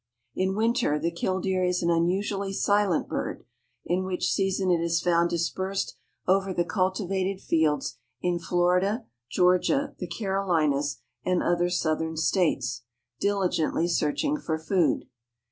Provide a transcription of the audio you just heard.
In winter the killdeer is an unusually silent bird, in which season it is found dispersed over the cultivated fields in Florida, Georgia, the Carolinas, and other southern states, diligently searching for food.